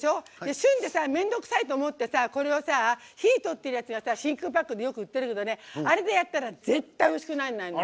旬で面倒くさいと思って火が通ってるやつが真空パックで売ってるけどあれでやったら絶対においしくなんないの。